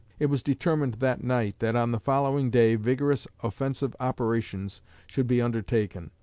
It was determined that night that on the following day vigorous offensive operations should be undertaken.